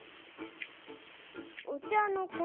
お茶の子